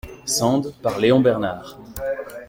Sand, par Léon Bernard.